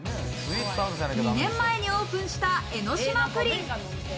２年前にオープンした江の島プリン。